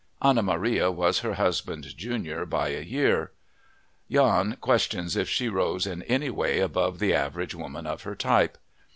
Anna Maria was her husband's junior by a year. Jahn questions if she rose in any way above the average woman of her type.